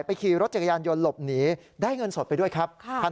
ขี่รถจักรยานยนต์หลบหนีได้เงินสดไปด้วยครับ